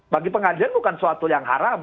bagi pengadilan bukan suatu yang haram